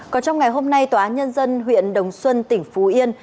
còn trong ngày hôm nay tòa án nhân dân huyện đồng xuân tỉnh phú yên